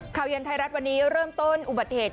ข่าวเย็นไทยรัฐวันนี้เริ่มต้นอุบัติเหตุ